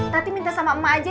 tapi minta sama emak aja